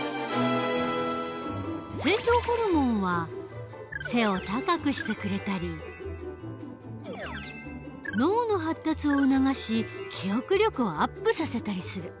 成長ホルモンは背を高くしてくれたり脳の発達を促し記憶力をアップさせたりする。